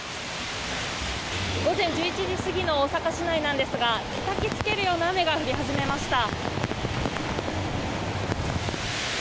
午前１１時過ぎの大阪市内なんですがたたきつけるような雨が降り始めました。